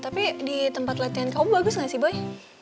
tapi di tempat latihan kamu bagus gak sih boy